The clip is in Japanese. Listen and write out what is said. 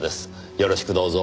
よろしくどうぞ。